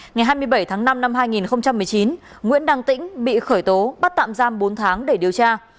ngày hai mươi bảy tháng năm năm hai nghìn một mươi chín nguyễn đăng tĩnh bị khởi tố bắt tạm giam bốn tháng để điều tra